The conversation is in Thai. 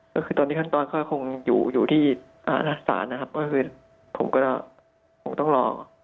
ก็คือตอนนี้ขั้นตอนก็คงอยู่ที่ศาลนะครับก็คือผมก็คงต้องรอ